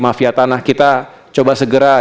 mafia tanah kita coba segera